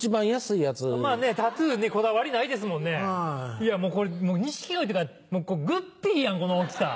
いやもうこれニシキゴイってかグッピーやんこの大きさ。